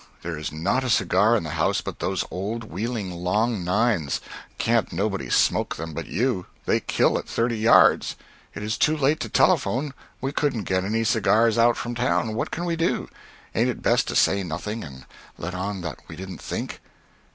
There is not a cigar in the house but those old Wheeling long nines. Can't nobody smoke them but you. They kill at thirty yards. It is too late to telephone we couldn't get any cigars out from town what can we do? Ain't it best to say nothing, and let on that we didn't think?"